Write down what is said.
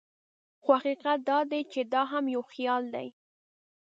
خو حقیقت دا دی چې دا هم یو خیال دی.